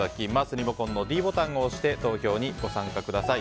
リモコンのｄボタンを押して投票にご参加ください。